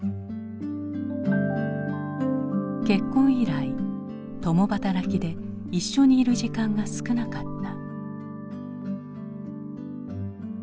結婚以来共働きで一緒にいる時間が少なかった。